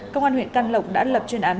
công an huyện căn lộc đã lập chuyên án